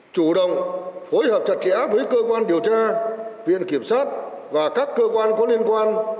chủ động phối hợp chặt chẽ với cơ quan điều tra viện kiểm sát và các cơ quan có liên quan